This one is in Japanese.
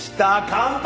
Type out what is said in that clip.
乾杯！